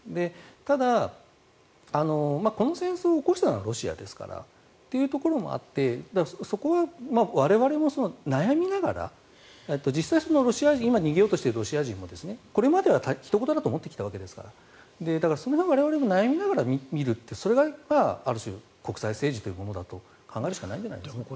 ただ、この戦争を起こしたのはロシアですから。というところもあってそこは我々も悩みながら実際、今逃げようとしているロシア人もこれまではひと事だと思ってきたわけですからその辺、我々も悩みながら見るというのがそれがある種国際政治というものだと考えるしかないんじゃないですかね。